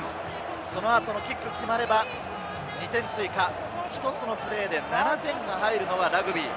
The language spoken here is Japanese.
その後のキックが決まれば２点追加、１つのプレーで７点が入るのがラグビー。